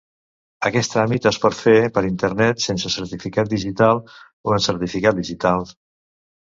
Aquest tràmit es pot fer per internet sense certificat digital o amb certificat digital.